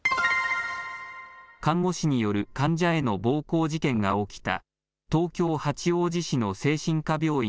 看護師による患者への暴行事件が起きた東京、八王子市の精神科病院